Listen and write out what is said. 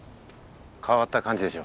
変わった感じでしょ？